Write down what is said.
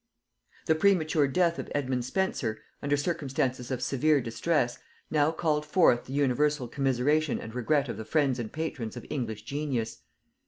The premature death of Edmund Spenser, under circumstances of severe distress, now called forth the universal commiseration and regret of the friends and patrons of English genius.